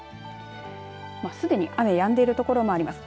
すでに雨やんでいる所もあります。